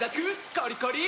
コリコリ！